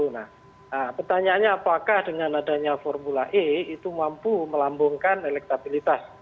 nah pertanyaannya apakah dengan adanya formula e itu mampu melambungkan elektabilitas